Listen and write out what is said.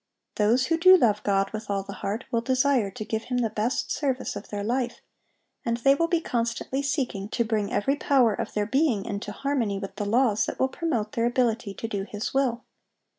Those who do love God with all the heart will desire to give Him the best service of their life, and they will be constantly seeking to bring every power of their being into harmony with the laws that will promote their ability to do His will.